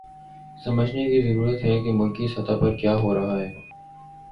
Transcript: سمجھنے کی ضرورت ہے کہ ملکی سطح پہ کیا ہو رہا ہے۔